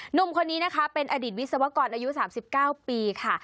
หนุ่มคนนี้นะคะเป็นอดีตวิศวกรอายุ๓๙ปีค่ะ